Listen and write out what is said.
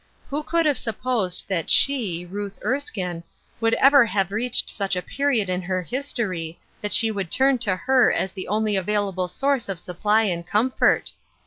Who could have supposed that she^ Ruth Erskine, would ever have reached such a period in her history that she would turn to her as the only available source of supply and comfort.